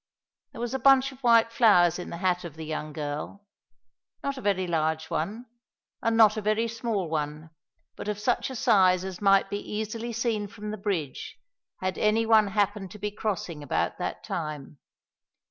There was a bunch of white flowers in the hat of the young girl; not a very large one, and not a very small one, but of such a size as might be easily seen from the bridge, had any one happened to be crossing about that time.